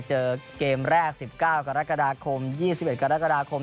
เจอเกมแรก๑๙กรกฎาคม๒๑กรกฎาคม